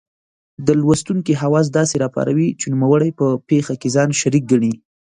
د لوستونکې حواس داسې را پاروي چې نوموړی په پېښه کې ځان شریک ګڼي.